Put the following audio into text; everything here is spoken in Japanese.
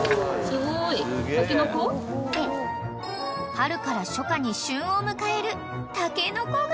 ［春から初夏に旬を迎えるタケノコが！］